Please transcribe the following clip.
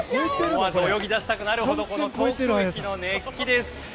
思わず泳ぎ出したくなるほどの東京駅の熱気です。